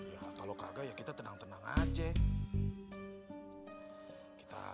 ya kalau kagak ya kita tenang tenang aja